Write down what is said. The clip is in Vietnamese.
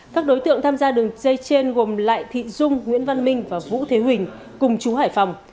các đối tượng tham gia đường dây trên gồm lại thị dung nguyễn văn minh và vũ thế huỳnh cùng chú hải phòng